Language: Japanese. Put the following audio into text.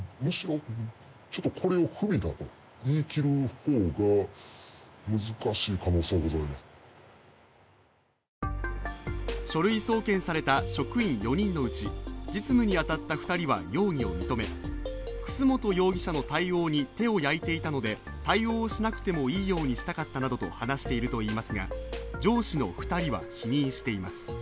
ほとんどが空欄で不備が目立ちますが書類送検された職員４人のうち実務に当たった２人は容疑を認め楠本容疑者の対応に手を焼いていたので、対応しなくてもいいようにしたかったと話しているといいますが上司の２人は否認しています。